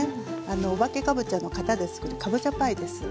お化けかぼちゃの型でつくるかぼちゃパイです。